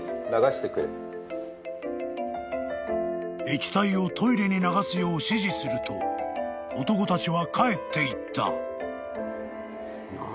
［液体をトイレに流すよう指示すると男たちは帰っていった］